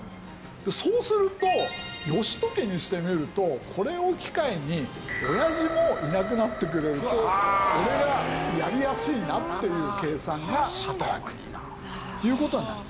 そうすると義時にしてみるとこれを機会に親父もいなくなってくれると俺がやりやすいなっていう計算が働くという事になる。